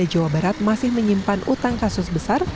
di wilayah jawa barat masih menyimpan utang kasus besar